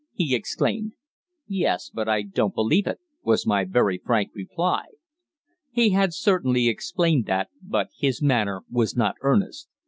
he exclaimed. "Yes, but I don't believe it," was my very frank reply. He had certainly explained that, but his manner was not earnest.